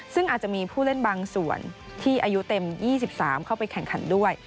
ซึ่งอาจจะมีผู้เล่นบางส่วนที่อายุเต็ม๒๓เข้าไปแข่งขันด้วย